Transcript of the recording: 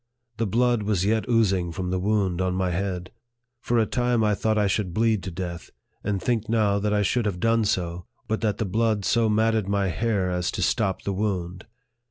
The blood was yet oozing from the wound on my head. For a time I thought I should bleed to death ; and think now that I should have done so, but that the blood so matted my hair as to stop the wound.